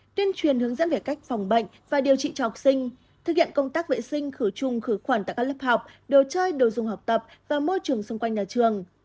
tuyên truyền hướng dẫn về cách phòng bệnh và điều trị cho học sinh thực hiện công tác vệ sinh khử chung khử khuẩn tại các lớp học đồ chơi đồ dùng học tập và môi trường xung quanh nhà trường